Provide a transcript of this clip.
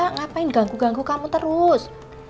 ngapain ganggu ganggu kamu terus